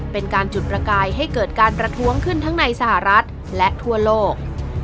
เป็นการจุดประกายให้เกิดการประท้วงขึ้นทั้งในสหรัฐและทั่วโลก